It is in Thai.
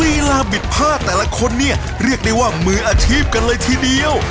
ลีลาบิดผ้าแต่ละคนเนี่ยเรียกได้ว่ามืออาชีพกันเลยทีเดียว